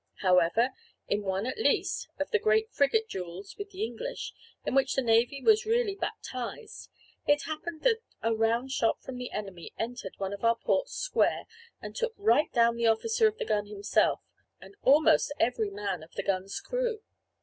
However, in one at least, of the great frigate duels with the English, in which the navy was really baptised, it happened that a round shot from the enemy entered one of our ports square, and took right down the officer of the gun himself, and almost every man of the gun's crew.